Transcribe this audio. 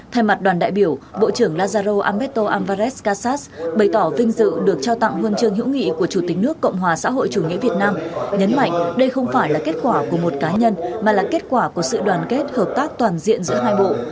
thay mặt đoàn đại biểu bộ trưởng lazaro amberto alvared kassas bày tỏ vinh dự được trao tặng huân chương hữu nghị của chủ tịch nước cộng hòa xã hội chủ nghĩa việt nam nhấn mạnh đây không phải là kết quả của một cá nhân mà là kết quả của sự đoàn kết hợp tác toàn diện giữa hai bộ